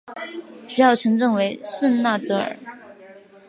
主要城镇为圣纳泽尔。